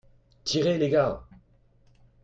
Tirez, les gars !